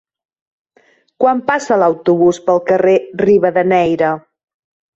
Quan passa l'autobús pel carrer Rivadeneyra?